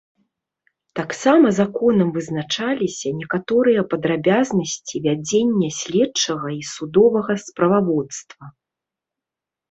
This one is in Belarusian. Таксама законам вызначаліся некаторыя падрабязнасці вядзення следчага і судовага справаводства.